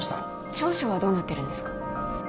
調書はどうなってるんですか？